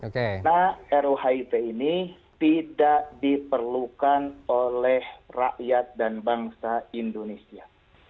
karena ruhip ini tidak diperlukan oleh rakyat dan bangsa indonesia